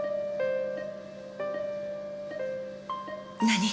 何？